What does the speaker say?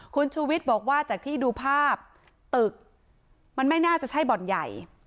คุณชูวิทย์บอกว่าจากที่ดูภาพตึกมันไม่น่าจะใช่บ่อนใหญ่